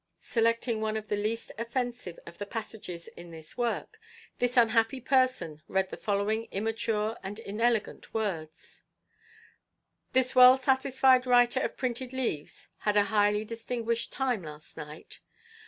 Selecting one of the least offensive of the passages in the work, this unhappy person read the following immature and inelegant words: "This well satisfied writer of printed leaves had a highly distinguished time last night.